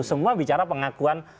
semua bicara pengakuan